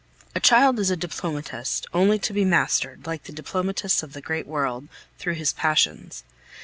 A child is a diplomatist, only to be mastered, like the diplomatists of the great world, through his passions!